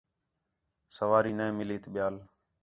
سواری نے مِلیئت ٻِیال